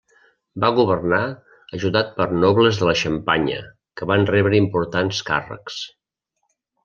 Va governar ajudat per nobles de la Xampanya, que van rebre importants càrrecs.